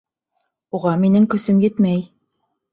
— Уға минең көсөм етмәй.